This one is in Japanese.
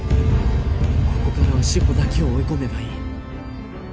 ここからは志法だけを追い込めばいい